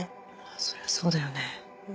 そりゃそうだよね。